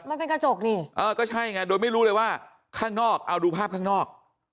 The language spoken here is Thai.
มันเป็นกระจกนี่เออก็ใช่ไงโดยไม่รู้เลยว่าข้างนอกเอาดูภาพข้างนอก